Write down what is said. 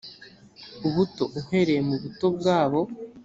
ubuto: uhereye mu buto bwabo